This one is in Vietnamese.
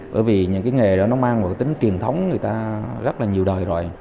bởi vì những cái nghề đó nó mang một cái tính truyền thống người ta rất là nhiều đời rồi